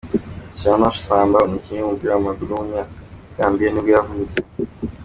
Cherno Samba, umukinnyi w’umupira w’amaguru w’umunyagambiya nibwo yavutse.